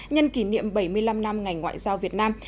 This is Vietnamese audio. nhân kỷ niệm bảy mươi năm năm ngành ngoại giao việt nam